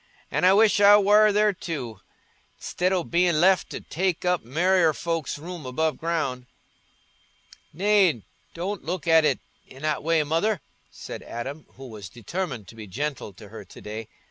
An' I wish I war there too, i'stid o' bein' left to take up merrier folks's room above ground." "Nay, don't look at it i' that way, Mother," said Adam, who was determined to be gentle to her to day.